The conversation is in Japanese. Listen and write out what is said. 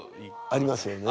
ありますよね。